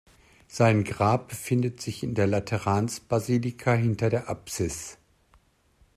Sein Grab befindet in der Lateranbasilika hinter der Apsis.